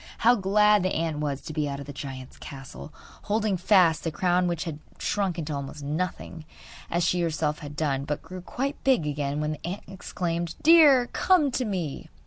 How glad the ant was to be out of the giant's castle, holding fast the crown which had shrunk into almost nothing, as she herself had done, but grew quite big again when the ant exclaimed: 'Deer, come to me!